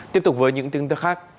tiếp tục với những tin tức khác